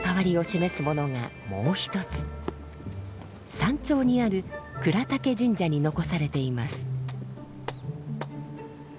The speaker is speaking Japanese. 山頂にある倉岳神社に残されています。